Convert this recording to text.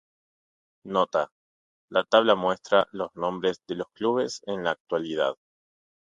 Nota: La tabla muestra los nombres de los clubes en la actualidad.